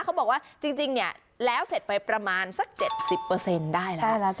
เขาบอกว่าจริงแล้วเสร็จไปประมาณสัก๗๐เปอร์เซ็นต์ได้แล้ว